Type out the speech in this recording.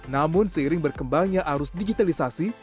namun seiring berkembangnya arus digitalisasi